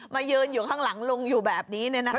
มายืนอยู่ข้างหลังลงอยู่แบบนี้นี่นะครับ